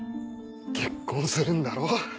結婚するんだろ？